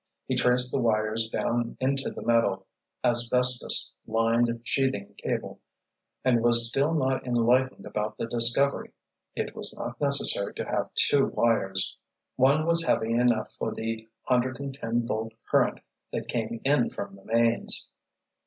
He traced the wires down into the metal, asbestos lined sheathing cable, and was still not enlightened about the discovery. It was not necessary to have two wires. One was heavy enough for the hundred and ten volt current that came in from the mains.